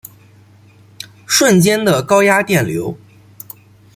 瞬间的高压电流